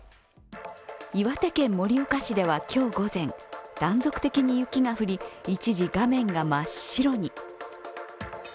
岩手県盛岡市では今日午前断続的に雪が降り一時、画面が真っ白に。